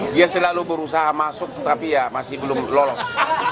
dia selalu berusaha masuk tetapi ya masih belum lolos